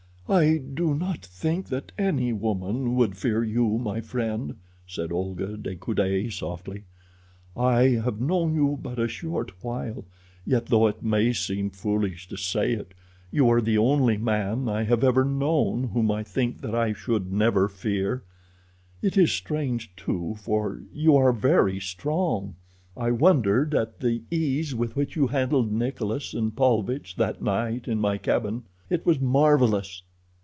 "I do not think that any woman would fear you, my friend," said Olga de Coude softly. "I have known you but a short while, yet though it may seem foolish to say it, you are the only man I have ever known whom I think that I should never fear—it is strange, too, for you are very strong. I wondered at the ease with which you handled Nikolas and Paulvitch that night in my cabin. It was marvellous."